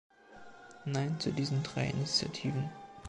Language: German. Nein zu diesen drei Initiativen.